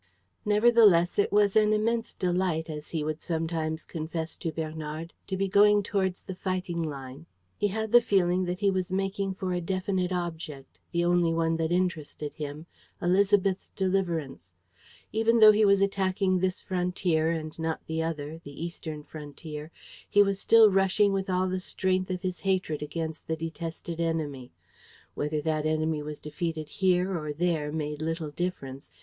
Nevertheless, it was an immense delight, as he would sometimes confess to Bernard, to be going towards the fighting line. He had the feeling that he was making for a definite object, the only one that interested him: Élisabeth's deliverance. Even though he was attacking this frontier and not the other, the eastern frontier, he was still rushing with all the strength of his hatred against the detested enemy. Whether that enemy was defeated here or there made little difference.